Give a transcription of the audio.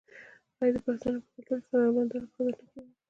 آیا د پښتنو په کلتور کې د هنرمندانو قدر نه کیږي؟